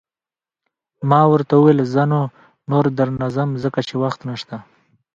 ما ورته وویل: زه نو، نور در نه ځم، ځکه چې وخت نشته.